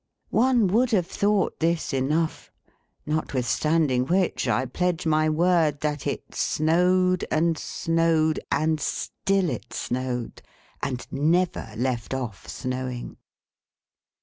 One would have thought this enough: notwithstanding which, I pledge my word that it snowed and snowed, and still it snowed, and never left off snowing.